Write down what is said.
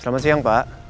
selamat siang pak